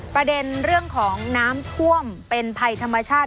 ประเด็นเรื่องของน้ำท่วมเป็นภัยธรรมชาติ